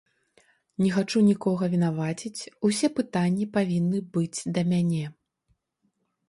Не хачу нікога вінаваціць, усе пытанні павінны быць да мяне.